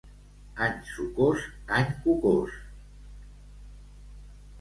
Any sucós, any cucós.